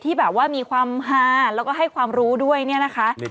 ที่แบบว่ามีความฮาแล้วก็ให้ความรู้ด้วยเนี่ยนะคะ